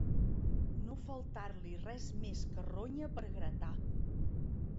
No faltar-li res més que ronya per gratar.